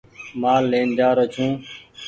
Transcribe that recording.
مآل لين جآرو ڇو ۔